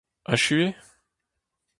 Echu eo ?